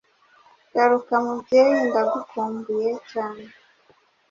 garuka mubyeyi ndagukumbuye cyane